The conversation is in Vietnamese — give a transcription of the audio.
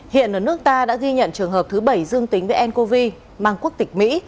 hiện ở nước ta đã ghi nhận trường hợp thứ bảy dương tính với ncov mang quốc tịch mỹ